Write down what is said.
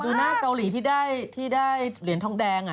ดูหน้าเกาหลีที่ได้เหรียญทองแดง